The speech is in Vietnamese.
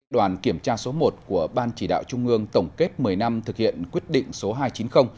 đoàn kiểm tra số một của ban chỉ đạo trung ương tổng kết một mươi năm thực hiện quyết định số hai trăm chín mươi